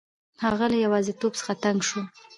هغه له یوازیتوب څخه تنګ شو.